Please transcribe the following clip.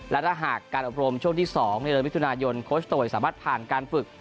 และถ้าหากการอบรมช่วงที่๒ในเดือนมิถุนายนโคชโตยสามารถผ่านการฝึก